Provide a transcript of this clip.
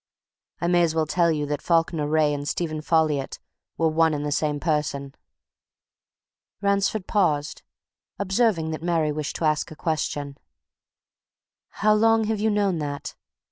I may as well tell you that Falkiner Wraye and Stephen Folliot were one and the same person." Ransford paused, observing that Mary wished to ask a question. "How long have you known that?"